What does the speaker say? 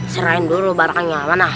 serahin dulu barangnya mana